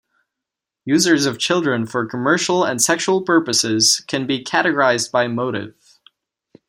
Users of children for commercial and sexual purposes can be categorized by motive.